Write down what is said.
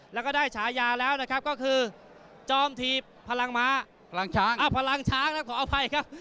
แล้วก็ได้ฉายาแล้วนะครับก็คือจอมถีบพลังช้างขออภัยครับ